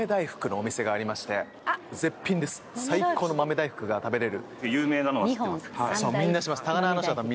最高の豆大福が食べられる。